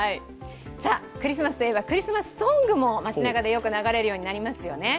クリスマスといえばクリスマスソングも街なかでよく流れるようになりますよね。